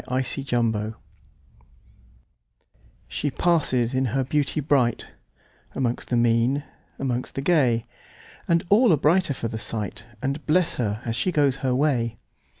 1840 The Secret SHE passes in her beauty brightAmongst the mean, amongst the gay, And all are brighter for the sight, And bless her as she goes her way.